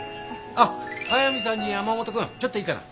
あっ速見さんに山本君ちょっといいかな？